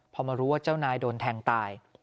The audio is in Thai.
พอมารู้ว่าเจ้านายโดนแทงตาย